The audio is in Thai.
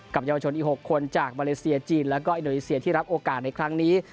เยาวชนอีก๖คนจากมาเลเซียจีนแล้วก็อินโดนีเซียที่รับโอกาสในครั้งนี้